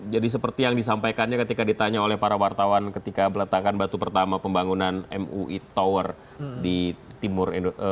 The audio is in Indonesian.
jadi seperti yang disampaikannya ketika ditanya oleh para wartawan ketika beletakkan batu pertama pembangunan mui tower di timur jakarta kemarin